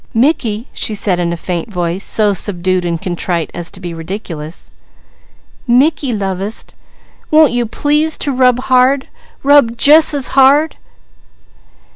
"Mickey," she said in a faint voice so subdued and contrite as to be ridiculous, "Mickey lovest, won't you please to rub hard! Rub jus' as hard!"